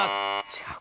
違う。